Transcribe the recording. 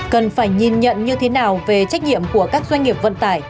cần phải nhìn nhận như thế nào về trách nhiệm của các doanh nghiệp vận tải